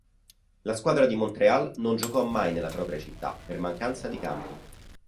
La squadra di Montréal non giocò mai nella propria città per mancanza di campi.